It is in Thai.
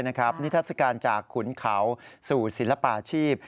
นิทัศกาลจากขุนเขาสู่ศิลปาชีพ